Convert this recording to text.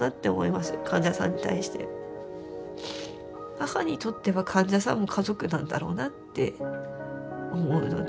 母にとっては患者さんも家族なんだろうなって思うので。